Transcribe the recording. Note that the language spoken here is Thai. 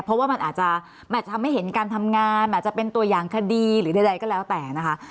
เพราะว่ามันอาจจะทำให้เห็นการทำงานอาจจะเป็นตัวอย่างคดีหรือใดก็แล้วแต่นะคะ